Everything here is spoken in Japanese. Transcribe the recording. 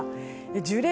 樹齢